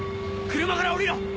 車から降りろ！